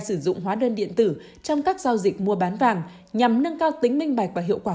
sử dụng hóa đơn điện tử trong các giao dịch mua bán vàng nhằm nâng cao tính minh bạch và hiệu quả